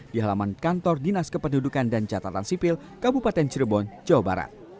di halaman kantor dinas kependudukan dan catatan sipil kabupaten cirebon jawa barat